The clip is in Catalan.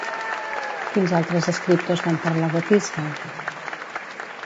Quins altres escriptors van parlar de Tisbe?